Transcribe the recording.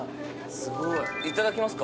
すごいいただきますか。